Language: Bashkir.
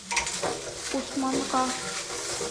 Усманға.